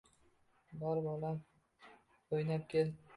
Bor, bolam, o‘ynab kel.